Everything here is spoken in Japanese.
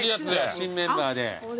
新メンバーで。